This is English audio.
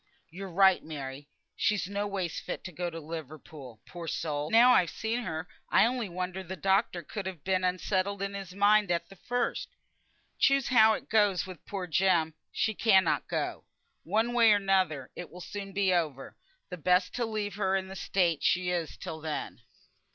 "Yo're right, Mary! She's no ways fit to go to Liverpool, poor soul. Now I've seen her, I only wonder the doctor could ha' been unsettled in his mind at th' first. Choose how it goes wi' poor Jem, she cannot go. One way or another it will soon be over, and best to leave her in the state she is till then."